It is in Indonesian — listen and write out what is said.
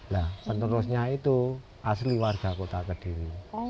nah penerusnya itu asli warga kota kediri